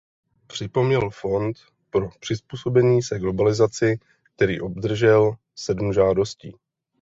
Připomněl Fond pro přizpůsobení se globalizaci, který obdržel sedm žádostí.